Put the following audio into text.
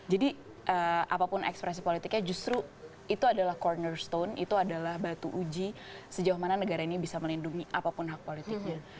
jadi apapun ekspresi politiknya justru itu adalah cornerstone itu adalah batu uji sejauh mana negara ini bisa melindungi apapun hak politiknya